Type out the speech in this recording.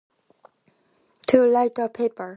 To like a paper.